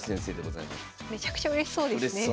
めちゃくちゃうれしそうですね。